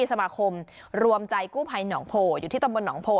สมาคมรวมใจกู้ภัยหนองโพอยู่ที่ตำบลหนองโพ